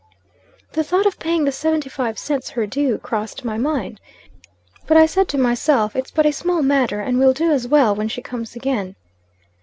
"The thought of paying the seventy five cents, her due, crossed my mind. But, I said to myself, 'It's but a small matter, and will do as well when she comes again.'